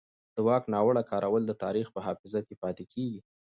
د واک ناوړه کارول د تاریخ په حافظه کې پاتې کېږي